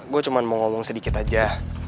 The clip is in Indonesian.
gue cuma mau ngomong sedikit aja